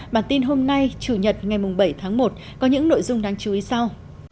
bản tin hôm nay chủ nhật ngày bảy tháng một có những nội dung đáng chú ý sau